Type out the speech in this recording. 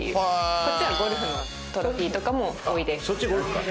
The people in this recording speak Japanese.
こっちはゴルフのトロフィーとかも多いです。